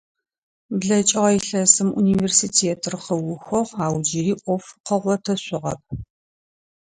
БлэкӀыгъэ илъэсым университетыр къыухыгъ ау джыри Ӏоф къыгъотышъугъэп.